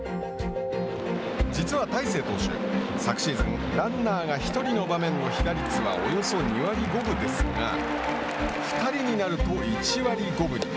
実は、大勢投手昨シーズン、ランナーが１人の場面の被打率はおよそ２割５分ですが２人になると、１割５分に。